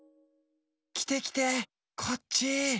きてきてこっち。